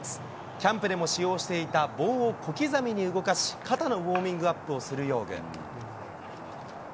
キャンプでも使用していた棒を小刻みに動かし、肩のウォーミングアップをする用具。